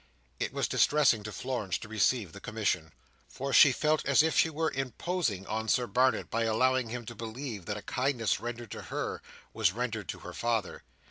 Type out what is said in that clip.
It was distressing to Florence to receive the commission, for she felt as if she were imposing on Sir Barnet by allowing him to believe that a kindness rendered to her, was rendered to her father.